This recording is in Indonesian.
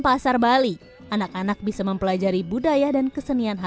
menjadi hal yang menyenangkan selama liburan sekolah